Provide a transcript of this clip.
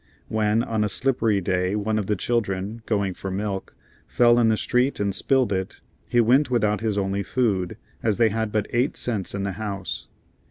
When, on a slippery day, one of the children, going for milk, fell in the street and spilled it, he went without his only food, as they had but eight cents in the house.